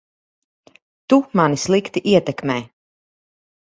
Tu mani slikti ietekmē.